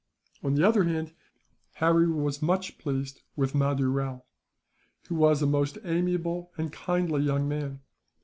On the other hand, Harry was much pleased with Mahdoo Rao, who was a most amiable and kindly young man.